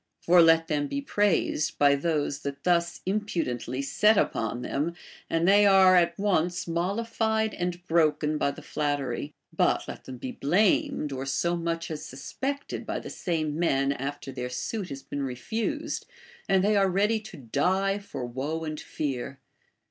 For let them be praised by those that thus ini 76 BASHFULNESS. pudently set upon them, and they are at once mollified and broken by the flattery ; but let them be blamed or so much as suspected by the same men after their suit has been refused, and they are ready to die for woe and fear.